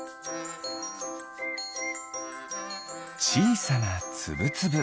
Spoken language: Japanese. ちいさなつぶつぶ。